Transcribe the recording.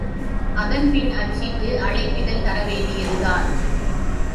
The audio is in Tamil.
அதன்பின் அச்சிட்டு அழைப்பிதழ் தரவேண்டியதுதான்.